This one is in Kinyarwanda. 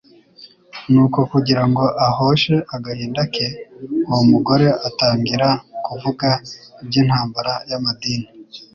Nuko kugira ngo ahoshe agahinda ke, uwo mugore atangira kuvuga iby'intambara y'amadini.